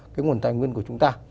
cái nguồn tài nguyên của chúng ta